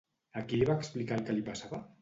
A qui li va explicar el que li passava?